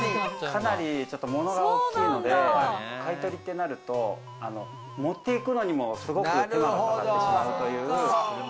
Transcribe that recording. かなりものが大きいので、買取ってなると持って行くのにもすごく手間がかかるという。